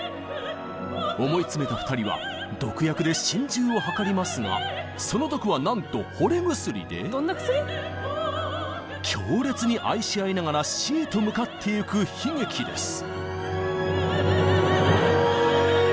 思い詰めた２人は毒薬で心中を図りますがその毒はなんと「ほれ薬」で強烈に愛し合いながら死へと向かってゆく悲劇です。